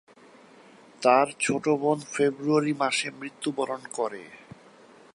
তার ছোট বোন ফেব্রুয়ারি মাসে মৃত্যুবরণ করে।